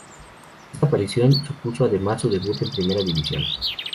Esta aparición supuso además su debut en Primera División.